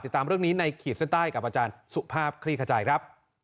ตามเรื่องนี้ในขีดเส้นใต้กับอาจารย์สุภาพคลี่ขจายครับ